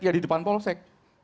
ya di depan polsek